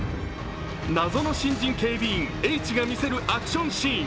謎の新人警備員、Ｈが見せるアクションシーン。